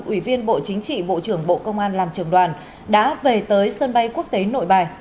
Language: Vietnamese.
ủy viên bộ chính trị bộ trưởng bộ công an làm trường đoàn đã về tới sân bay quốc tế nội bài